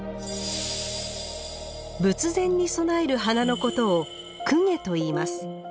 仏前に備える花のことを「供華」といいます。